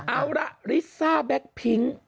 เอาล่ะลิซ่าแบล็กพิงก์